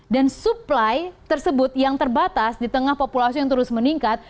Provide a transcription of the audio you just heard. dan supply tersebut yang terbatas di tengah populasi yang terus meningkat